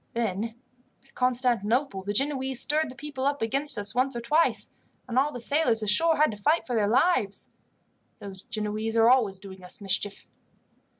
Then at Constantinople the Genoese stirred the people up against us once or twice, and all the sailors ashore had to fight for their lives. Those Genoese are always doing us mischief."